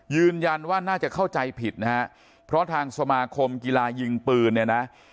ยืนยันว่าน่าจะเข้าใจผิดเพราะทางสมาคมกีฬายิงปืน